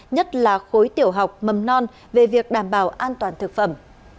nhất là khối tiểu học mầm non về việc đảm bảo an toàn thực phẩm